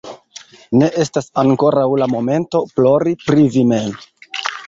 Ne estas ankoraŭ la momento, plori pri vi mem.